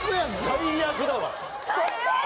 最悪だわ。